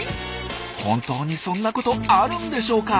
本当にそんなことあるんでしょうか？